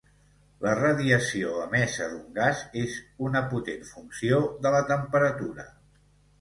La radiació emesa d'un gas és una potent funció de la temperatura.